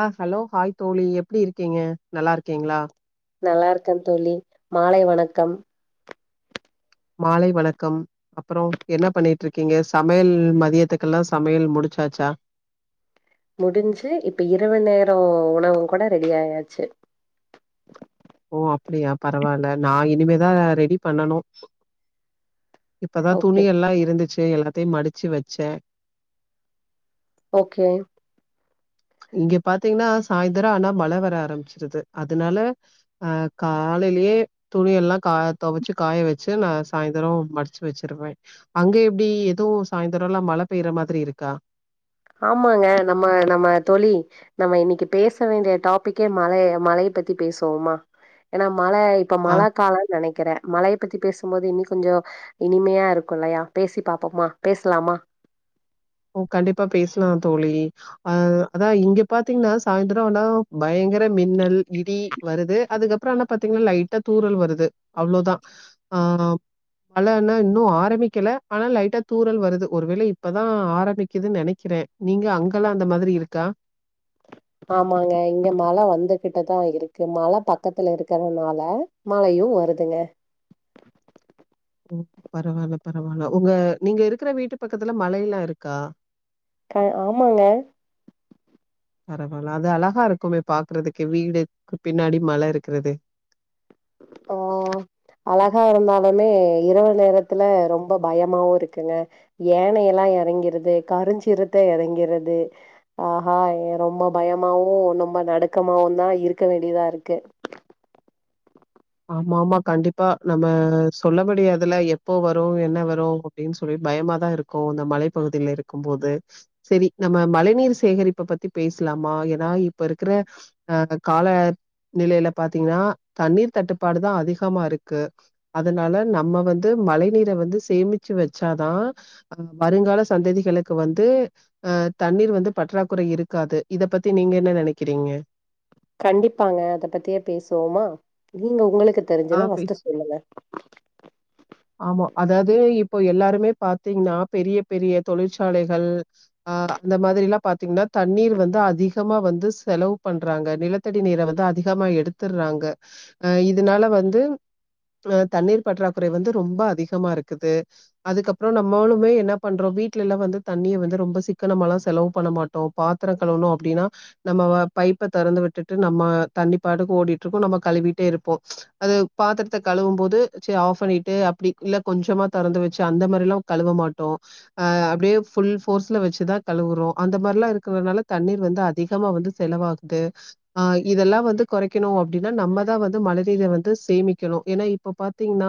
ஆ hello hi தோழி எப்டி இருக்கீங்க நல்லா இருக்கீங்ளா நல்லா இருக்கன் தோழி மாலை வணக்கம் மாலை வணக்கம் அப்றோ என்ன பண்ணிட்டு இருக்கீங்க சமையல் மதியத்துக்கெல்லா சமையல் முடி ச்சாச்சா முடிஞ்சு இப்ப இரவு நேரோ உணவு கூட ரெடி ஆயாச்சு ஓ அப்டியா பரவால்ல நா இனிமேதா ரெடி பண்ணனு இப்பதா ஓகே துணி எல்லா இருந்துச்சு எல்லாத்தயு மடிச்சு வெச்சே ஓகே இங்க பாத்தீங்கன்னா சாய்ந்தரோ ஆனா மழை வர ஆரம்பிச்சிருது அதுனால ஆ காலைலயே துணியெல்லா கா துவச்சு காய வெச்சு நா சாயந்தரோ மடிச்சு வெச்சிருவே அங்க எப்டி எதோ சாயந்தரோ எல்லா மழை பெய்யற மாதிரி இருக்கா ஆமாங்க நம்ம நம்ம தோழி நம்ம இன்னைக்கு பேச வேண்டிய டாப்பிக்கே மழை மழைய ப்பத்தி பேசுவோமா ஏனா மழை இப்ப ஆ மழை காலன்னு நெனக்கிறே மழைய பத்தி பேசு க்கும் போது இன்னி கொஞ்சோ இனிமையா இருக்கு இல்லையா பேசி பாப்போமா பேசலாமா ஓ கண்டிப்பா பேசலாந் தோழி அ அதா இங்க பாத்தீங்கனா சாயந்தரோ ஆனா பய ங்கர மின்னல், இடி வருது அதுக்கப்றோ ஆனா பாத்தீங்கனா லைட்டா தூறல் வருது அவ்வளோதான் ஆ மழை எல்லா இன்னு ஆரம்பிக்கல ஆனா லைட்டா தூறல் வருது ஒருவேள இப்பதா ஆரம்பிக்குதுனு நெனக்கிறே நீங்க அங்கெல்லா அந்த மாதிரி இருக்கா ஆமாங்க இங்க மழை வந்துகிட்டுதா இருக்கு மல பக்கத்துல இருக்கிறதுனால மழை யு வருதுங்க ம் பரவால்ல பரவால்ல உங்க நீங்க இருக்கிற வீட்டு பக்கத்துல மலை எல்லா இருக்கா க ஆமாங்க பரவால்ல அது அழகா இருக்குமே பாக்குறதுக்கு வீடுக்கு பின்னாடி மலை இருக்கிறது ஓ அழகா இருந்தாலுமே இரவு நேரத்துல ரொம்ப பயமாவு இருக்குங்க ஏனையெல்லா எறங்கிருது கருஞ்சிருத்த எறங்கிருது ஆஹா ரொம்ப பயமாவு நம் ம நடுக்கமாவும்தா இருக்க வேண்டியதா இருக்கு ஆமாமா கண்டிப்பா நம்ம சொல்ல முடியாதுல்ல எப்போ வரு என்ன வரு அப்டின்னு சொல் பயமாதா இருக்கு இந்த மலைப்பகுதியில இருக்கும்போது செரி நம்ம மழை நீர் சேகரிப்பு பத்தி பேச லாமா ஏனா இப்ப இருக்கிற கால நிலையில பாத்தீங்கனா தண்ணீர் தட்டு ப்பாடுதான் அதிகமா இருக்கு அதனால நம்ம வந்து மழை நீரை வந்து சேமிச்சு வெச்சாதா வருங்கால சந்ததிகளுக்கு வந்து அ தண்ணீர் வந்து பற்றாக்குறை இருக்காது இத பத்தி நீங்க என்ன நெனக்கறீங்க கண்டிப்பாங்க அத பத்தியே பேசுவோமா நீங்க உங்களுக்கு ஆ. தெரிஞ்சத பே ஃபர்ஸ்ட் சொல்லுங்க ஆமா அதாவது இப்போ எல்லாருமே பாத்தீங்கனா பெரிய பெரிய தொழிற்சாலைகள் அ அந்த மாதிரி எல்லா பாத்தீங்கனா தண்ணீர் வந்து அதிகமா வந்து செலவு பண்றாங்க நிலத்தடி நீர வந்து அ திகமா எடுத்துர்றாங்க இதனால வந்து தண்ணீர் பற்றாக்குறை வந்து ரொம்ப அதிகமா இருக்குது அதுக்கப்றோ நம்மோளுமே என்ன பண்றோ வீட்ல எல்லா வந்து தண்ணிய வந்து ரொம்ப சி க்கனமாலா செலவு பண்ண மாட்டோ பாத்ரோ கழுவ்ணு அப்டினா நம்மவ பைப்ப தொறந்து விட்டுட்டு நம்ம தண்ணிப்பாடுக்கு ஓடிட்ருக்கூ நம்ம கழுவிட்டேருப்போ அது பாத்திரத்த கழுவும் போது செ ஆஃப் பண்ணிட் டு அப்டி இல்ல கொஞ்சமா தொறந்து வச்சு அந்த மாரிலா கழுவ மாட்டோ ஆ அப்டியே ஃபுல் ஃபோர்ஸ்ல வச்சுதா கழுவுறோ அந்த மாரிலா இருக்றதுனால தண்ணீர் வந்து அதிகமா வந்து செலவாகுது ஆ இத ல்லா வந்து கொறைக்கணூ அப்டினா நம்மதா வந்து மழநீர வந்து சேமிக்கணு ஏனா இப்ப பாத்தீங்னா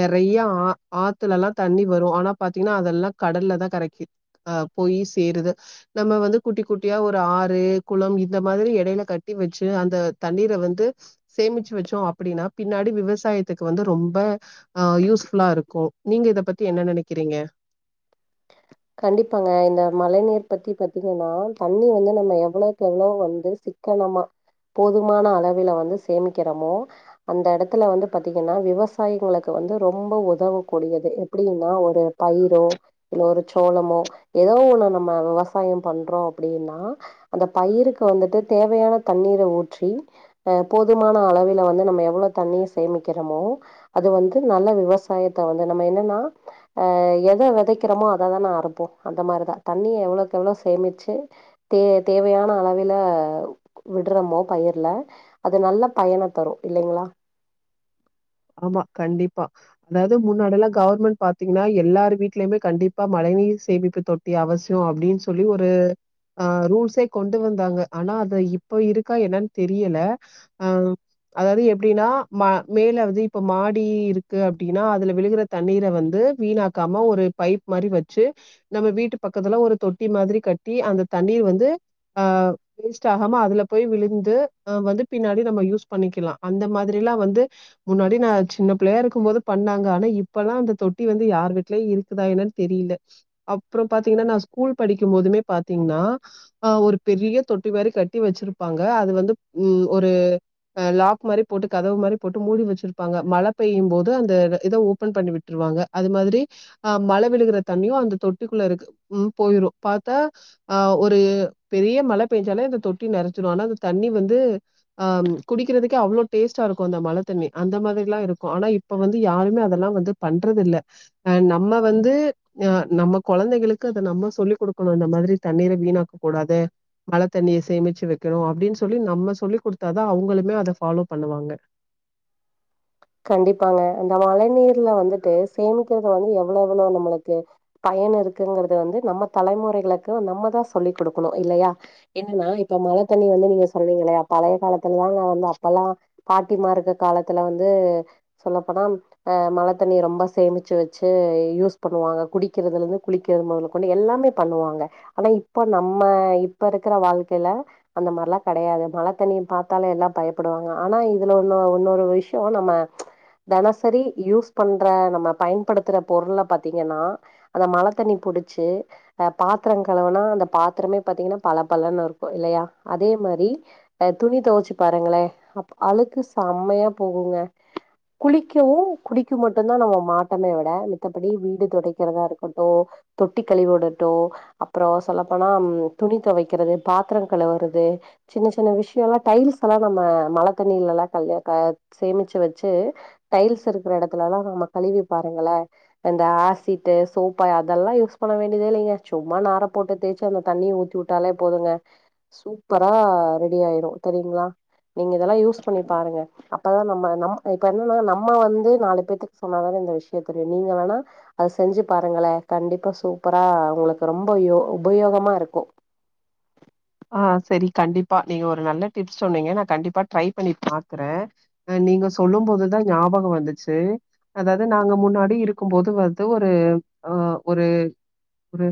நறைய ஆ ஆத்துலல்லா தண்ணி வரூ ஆனா பாத்தீங்னா அதெல்லா கடல்ல தா கரைக்கி ஆ போய் இ சேருது நம்ம வந்து குட்டி குட்டியா ஒரு ஆறு குளம் இந்த மாதிரி எடையில கட்டி வச்சு அந் த தண்ணீர வந்து சேமிச்சு வச்சோ அப்டினா பின்னாடி விவசாயத்துக்கு வந்து ரொம்ப ஆ யூஸ்ஃபுல்லாருக்கூ நீங்க இத பத்தி என்ன நனைக்கிறீங்க கண்டிப்பாங்க இந்த மழ நீர் பத்தி பாத்தீங்னா தண்ணி வந்து நம்ம எவ்ளோக்கு எவ்ளோ வந்து சிக் கனமா போதுமான அளவில வந்து சேமிக்கிறமோ அந்த எடத்துல வந்து பாத்தீங்கனா விவசாயிங்களுக்கு வந்து ரொம்ப ஒதவக்கூடியது எப்டின்னா ஒரு பயிரோ இல்ல ஒரு சோளமோ எதோ ஒன்னு நம்ம விவசாயோ பண்றோ அப்டீனா அந்த பயிருக்கு வந்துட்டு தேவையான தண்ணீர ஊற்றி போதுமான அளவில வந்து நம்ம எவ்ளோ தண்ணீ சேமிக்கிறமோ அது வந்து நல்ல விவசாயத்த வந்து நம்ம என்னன்னா ஆ எத வெதைக்கிறோமோ அ த தான அறுப்போ அந்த மாரி தா தண்ணிய எவ்ளக்கு எவ்ள சேமிச்சு தே தேவையான அளவில அ விட்றோமோ பயிர்ல அது நல்ல பயனா தரூ இல்லைங்ளா ஆமா கண்டிப்பா அதாவ்து முன்னாடிலா கவுர்மெண்ட் பாத்தீங்னா எல்லார் வீட்லயுமே கண்டிப்பா மழை நீர் சேமிப்பு தொட்டி அவசியோ அப்டின் சொல்லி ஒரு ஆ ரூல்ஸே கொண்டு வந்தாங்க ஆனா அது இப்ப இருக்கா என்னன் தெரியல அ அதாவ்து எப்டினா ம மேலருந்து இப் போ மாடி இருக்கு அப்டீனா அதுல விழுகிற தண்ணீர வந்து வீணாக்காம ஒரு பைப் மாரி வச்சு நம்ம வீட்டு பக்கத்துல ஒரு தொட்டி மாத்ரி கட்டி அந்த தண்ணீர் வந்து ஆ வேஸ்ட் ஆகாம அதுல போய் விழுந்து வந்து பின்னாடி நம்ம யூஸ் பண்ணிக்லா அந்த மாத்ரி ல்லா வந்து முன்னாடி நா சின்ன பிள்ளையா இருக்கும் போது பண்ணாங்க ஆனா இப்பல்லா அந்த தொட்டி வந்து யார் வீட்லயூ இருக்குதா என தெரி ல அப்றோ பாத்தீஙனா நா ஸ்கூல் படிக்கும் போதுமே பாத்தீங்னா ஒரு பெரிய தொட்டி வேற் கட்டி வச்சிருப்பாங்க அது வந்து ம் ஒரு லாக் மாரி போட்டு கதவு மாரி போட்டு மூடி வச்சு பிர்ப்பாங்க மழ பெய்யும் போது அந்த இத ஓபன் பண்ணி விட்ருவாங்க அது மாதிரி ஆ மழ விழுகுற தண் இயு அந்த தொட்டிக்குள்ளருக்கு ம் போயிரூ பாத்தா ஒரு பெரிய மழ பேஞ்சாலே அந்த தொட்டி நெறச்சிடு ஆனா அந்த தண்ணி வந்து ஆ குடிக்கிறதுக்கே அவ்ளோ டேஸ்ட்டாருக்கூ அந்த மழ தண்ணி அந்த மாத்ரிலா இருக்கூ ஆனா இப்ப வந்து யாருமே அதெல்லா வந்து பண்றதில்ல அ நம்ம வந்து ஞா நம்ம கொழந்தைகளுக்கு அது நம்ம சொல்லிக் குடுக்கணூ இந்த மாத்ரி தண்ணீர வீணாக்க கூடாது மழ தண்ணிய சேமிச்சு வெக்கணூ அபடின் சொல்லி நம்ம சொல்லி குடுத்தாதான் அவங்களுமே அத ஃபாலோ பண்ணுவாங்க கண்டிப்பாங்க இந்த மழ நீர்ல வந்துட்டு சேமிக்கிறது வந்து எவ்ளெவ்வளோ நமளுக்கு பய யன் இருக்குங்கிறது வந்து நம்ம தலைமுறைகளுக்கு நம்ம தா சொல்லிக் குடுக்கணு இல்லையா என்னன்னா இப்ப ம ழ தண்ணி வந்து நீங்க சொன்னீங்கல்லையா பழைய காலத்துல நா வந்து அப்பல்லா பாட்டிமார் இருக்க காலத்துல வந்து து சொல்ல போனா ஆ மழதண்ணி வந்து ரொ சேமிச்ச வச்சு யூஸ் பண்ணுவாங்க குடிக் க்றதுலேந்து குளிக்கிற மொதல கொண்டு எல்லாமே பண்ணுவாங்க ஆனா இப்ப நம்ம இப்பருக்கிற வாழ்க்கேல அந்த மாரிலா கெடையாது மழ தண்ணி பாத்தாலே எல்லா பயப்படுவாங்க ஆனா இதுல ஒன்னோ ஒன்னொர விஷ் யோ நம்ம தெனசரி யூஸ் பண்ற நம்ம பயன்படுத்துற பொருள பாத்தீங்னா அந்த மழ தண்ணி புடிச்சு ஆ பாத்திரங் கழுவுனா அந்த பாத்திரமே பாத்தீங்னா பளபளன்னுருக்கூ இல்லையா அதே மா மாரி துணி துவோச்சு பாருங்களே அப் அழுக்கு செம்மையா போகுங்க குளிக்கவூ குடிக்கவூ மட்டுந்தா நம்ம மாட்டமே விட மத்தபடி வீடு தொடைக்கிறதா இருக்கட்டூ தொட்டி கழுவி உடட்டூ அப்றோ சொல்லப்போனா துணி தொவைக்கிறது பாத்திரோ கழுவுறது சின்ன சின்ன விஷ்யல்லா டைல்ஸ் எல்லா நம்ம மழ தண்ணீலல்லா கல்ய கா சேமிச்சு வச்சு டைல்ஸ் இருக்கிற எடத்துலல்லா நம்ம கழுவி பாருங்களே இந்த ஆசிட் து சோப்பா அதெல்லா யூஸ் பண்ண வேண்டியதே இல்லைங்க சும்மா நார போட்டு தேய்ச்சு அந்த தண்ணிய ஊத்தி வுட்டாலே போதுங்க சூப்பரா ரெடி ஆயிரு தெரியுங்களா நீங்க இதெல்லா யூஸ் பண்ணி பாருங்க இப்பதா நம்ம நம் அ இப்ப என்னன்னா நம்ம வந்து நாலு பேத்துக்கு சொன்னானாதே இந்த விஷ்யொ தெரியு நீங்க வேணா அது செ ஞ்சு பாருங்கள கண்டிப்பா சூப்பரா உங்களுக்கு ரொம்போ யோ உபயோகமா இருக்கு ஆ சரி கண்டிப்பா நீங்க ஒரு நல்ல டிப்ஸ் சொன்னீங்க நா கண்டிப்பா ட்ரை பண்ணி பாக்குறே நீங்க சொல்லும் போதுதா ஞாபக வந்துச்சு அதாவது நாங்க முன்னாடி இருக்கும்போது வந்து ஒரு ஆ ஒரு ஒரு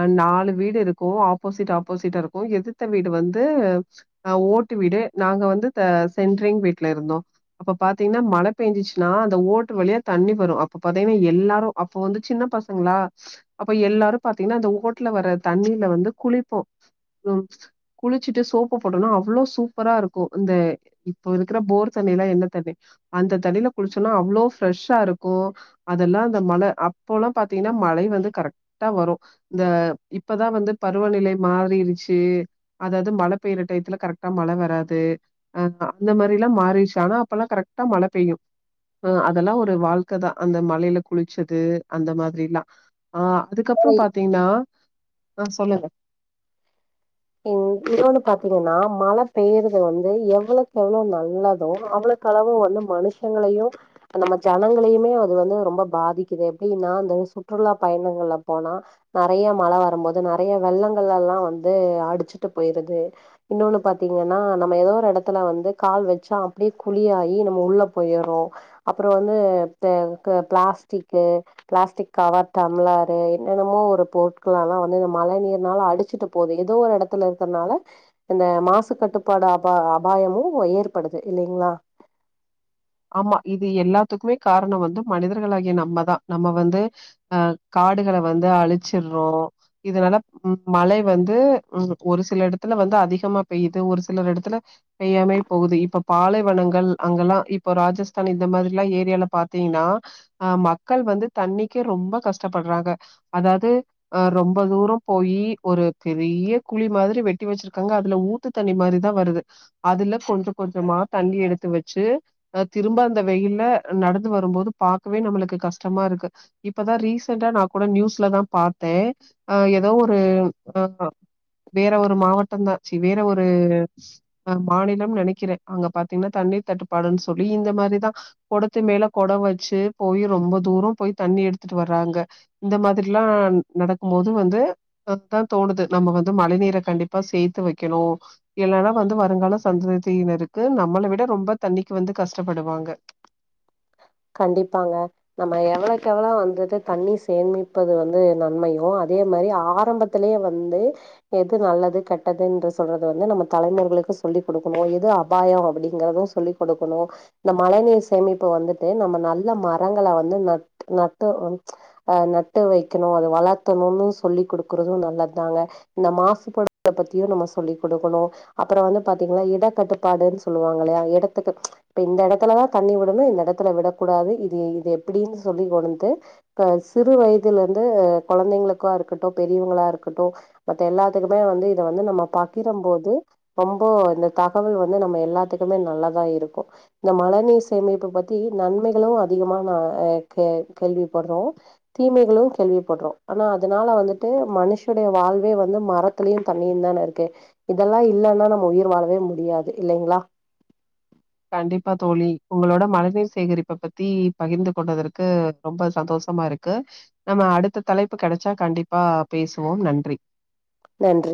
அ நாலு வீடு இருக்கு ஆப்போசிட் ஆப்போசிட்டா இருக் கு எதித்த வீடு வந்து அ ஓட்டு வீடு நாங்க வந்து தா சென்ட்ரிங் வீட்ல இருந்தோ அப்ப பாத்தீங்கன்னா மழ பெஞ்சிச்சுனா அந்த ஓட்டு வழியா தண்ணி வரு அப்ப பாத்தீங்கன்னா எல்லாரு அப்போ வந்து சின் ன பசங்களா அப்ப எல்லாரு பாத்தீங்கன்னா அந்த ஓட்டுல வர தண்ணில வந்து குளிப்போ ம் குளிச்சுட்டு சோப்பு போட்டோம்னா அவ்ளோ சூப்பரா இருக்கு இந்த இப்போ இருக்குற போர் தண்ணி ல என்ன தண்ணி அந்த தண்ணியில குளிச்சோனா அவ்ளோ பிரெஷ்ஷா இருக்கு அதெல்லா அந்த மழ அப் போலா பா்த்தீங்கன்னா மழை வந்து கரெக்டா வரு இந்த இப்போதா வந்து பருவநிலை மாறிருச் சு அதாவது மழ பெய்ற டயத்துல கரெக்டா மழ வராது அந்த மாரிலா மாறிட்சு ஆனா அப்பல்லா கரக்டா மழ பெய்யு அ அதெல்லா ஒரு வாழ்க்கதா அந்த மலையில குளிச்சது அந்த மாதிரில்லா ஆ அதுக்கப்புறோ பாத்தீங்கன்னா ஆ சொல்லுங்க ம் இன்னொன்னு பாத்தீங்கன்னா மழ பெய்யறது வந்து எவ்ளோக்கு எவ்ளோ நல்லதோ அவ்ளோ கு அவ்ளோ வந்து மனுஷங்களையு நம்ம ஜனங்களையுமே அது வந்து ரொம்ப பாதிக்குது எப்டின்னா அந்த சுற்றுலா பயணங்கள்ல போனா நெறைய மழ வரும்போது நெறைய வெள்ளங்கள் எல்லா வந்து அடிச்சுட்டு போயிருது இன்னொன்னு பாத்தீங்கன்னா நம்ம ஏ ஒரு எடத்துல வந்து கால் வச்சா அப்டியே குளிரு ஆகி நம்ம உள்ள போயிறோ அப்புறோ வந்து ப ப பிளாஸ்டிக் பிளாஸ்டிக் கவர் டம்ளாரு என்னென்னமோ ஒரு பொருட்கள்ளல்லா வந்து இந்த மழ நீர்னால அடிச்சுட்டு போதுல ஏதோ ஒரு இடத்துல இருக்கறனால இந்த மாசு கட்டுப்பாடு அபா அபாயமு ஏற்படுது இல்லைங்களா ஆமா இது எல்லாத்துக்குமே காரண வந்து மனிதர்களாகிய நம்மதா நம்ம வந்து அ கா காடுகள வந்து அழிச்சுட்றோ இதனால மழை வந்து ம் ஒரு சில இடத்துல வந்து அதிகமா பெய்யுது ஒரு சில இடத்துல பெய்யாமைய போகுது இப்ப பாலைவனங்கள் அங்கெல்லா இ ப்ப ராஜஸ்தான் இந்த மாதிரிலா ஏரியால பாத்தீங்கன்னா ஆ மக்கள் வந்து தண்ணீக்கே ரொம்ப கஷ்டப்படு ராங்க அதாவது அ ரொம்ப தூரோ போய் ஒரு பெரிய குழி மாதிரி வெட்டி வெச்சு இருக்காங்க அதுல ஊத்து தண்ணி மாரிதா வருது அதுல கொஞ்ச கொஞ்சமா தண்ணி எடுத்து வெச்சு அ திரும்ப அந்த வெயில்ல நடந்து வரும் போது பாக்கவே நம்மளுக்கு கஷ்டமா இருக்கு இப்பதா ரீசண்டா நா கூட நியூஸ்லதா பாத்தே அ ஏதோ ஒரு ஆ வேற ஒரு மாவட்டம் தா சி வேற ஒரு அ மாநிலம் நெனைக்கிறே அங்க பாத்தீங்கன்னா தண் ணி தட்டு பாடுன்ச் சொல்லி இந்த மாரிதா குடத்து மேல குட வச்சு போய் ரொம்ப தூரோ போய் தண்ணி எடுத்துட்டு வர்றாங்க இந்த மாதிரில்லா நடக்கும் போது வந்து அதா தோணுது நம்ம வந்து மழை நீர கண்டிப்பா சேத்து வைக்கணு இல்லன்னா வந்து வருங்கால சந்ததியினருக்கு நம்மள விட ரொம்ப தண்ணி க்கு வந்து கஷ்டப்படுவாங்க கண்டிப்பாங்க நம்ம எவ்வளக்கு எவ்வளோ வந்துட்டு தண்ணி சேமிப்பது வந்து நன்மையோ அ தே மாரி ஆரம்பத்திலயே வந்து எது நல்லது கெட்டது என்று சொல்றது வந்து நம்ம தலைமுரைகளுக் கு சொல்லிக் குடுக்கணு எது அபாயோ அப்டிங்கறது சொல்லிக் கொடுக்கணு இந்த மழை நீர் சேமிப்பு வந்துட் டு நம்ம நல்ல மரங்கள வந்து நட் நட்டு ம் ஆ நட்டு வைக்கணு அது வளத்து ணுனு சொல்லிக் குடுக்கறது நல்லது தாங்க இந்த மாசுபடுத்த பத்தியு நம்ம சொல்லிக் குடுக்கணு அப்புற வந்து பாத்தீங்களா இடக்கட்டுப்பாடுன் சொல்லுவாங்க இல்லையா இடத்துக்கு இந்த இடத்துல தா தண்ணி விடணு இந்த இடத் துல விடக்கூடாது இது இது எப்டின்னு சொல்லிக் கொடுண்த்து இப்ப சிறு வயதிலிருந்து கொழந்தை களுக்கா இருக்கட்டு பெரியவங்களா இருக்கட்டு மத்த எல்லாத்துக்குமே வந்து இத வந்து நம்ம பா கிரம்போது ரொம்ப இந்த தகவல் வந்து நம்ம எல்லாத்துக்குமே நல்லதா இருக்கு இந்த மழ நீ சேமிப்பு பத் தி நன்மைகளு அதிகமா நா கே கேள்விப்படுறோ தீமைகளு கேள்விப்படுறோ ஆனா அதனால வந்துட்டு மனுஷடைய வாழ்வே வந்து மரத்துலயு தண்ணியு தான இருக்கு இதெல்லா இல்லா லனா நம்ம உயிர் வாழவே முடியாது இல்லைங்களா கண்டிப்பா தோழி உங்களோட மழை நீர் சேகரிப்ப பத்தி பகிர்ந்து கொண்டதற்கு ரொம்ப சந்தோஷ சமா இருக்கு நம்ம அடுத்த தலைப்பு கெடச்சா கண்டிப்பா பேசுவோ நன்றி நன்றி